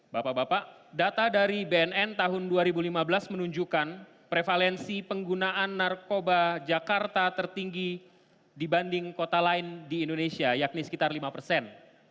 bapak bapak data dari bnn tahun dua ribu lima belas menunjukkan prevalensi penggunaan narkoba jakarta tertinggi dibanding kota lain di indonesia yakni sekitar lima persen